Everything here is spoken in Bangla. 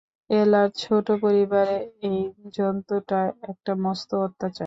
এলার ছোটো পরিবারে এই জন্তুটা একটা মস্ত অত্যাচার।